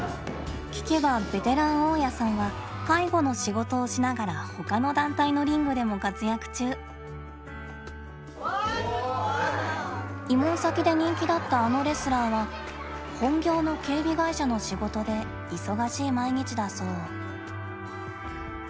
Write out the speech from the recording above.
聞けばベテラン大矢さんは介護の仕事をしながら他の団体のリングでも活躍中。わすごい！慰問先で人気だったあのレスラーは本業の警備会社の仕事で忙しい毎日だそう。